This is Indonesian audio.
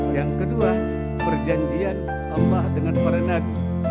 yang kedua perjanjian allah dengan para nadi